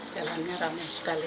jalan yang ramai sekali